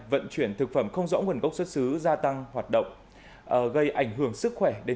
vận chuyển thực phẩm không rõ nguồn gốc xuất xứ gia tăng hoạt động gây ảnh hưởng sức khỏe